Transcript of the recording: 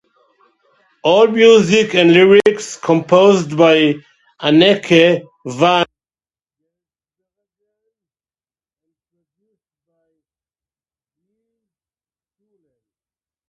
All music and lyrics composed by Anneke van Giersbergen and produced by Gijs Coolen.